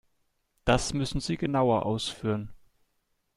Das müssen Sie genauer ausführen.